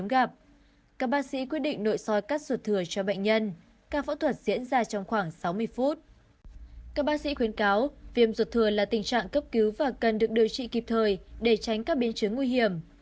các bác sĩ khuyến cáo viêm ruột thừa là tình trạng cấp cứu và cần được điều trị kịp thời để tránh các biến chứng nguy hiểm